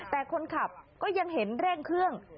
แต่คนขับก็ยังเห็นเร่งเครื่อง